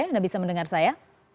nggak bisa mendengar saya